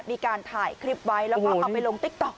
มีการถ่ายคลิปไว้แล้วก็เอาไปลงติ๊กต๊อ